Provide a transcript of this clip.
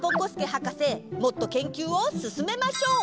はかせもっと研究をすすめましょう！